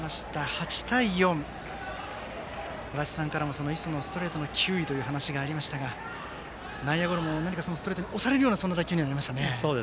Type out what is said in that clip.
８対４、足達さんからも磯のストレートの球威というお話がありましたが内野ゴロもストレートに押されるような打球になりましたね。